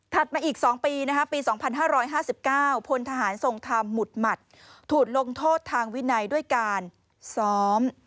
ถัดมาอีก๒ปีนะคะสมมุติมัดถูกโดนโทษทางวินัยด้วยการซ้อม